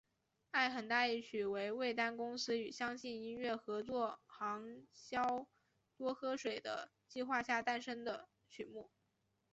爱很大一曲为味丹公司与相信音乐合作行销多喝水的计划下诞生的曲目。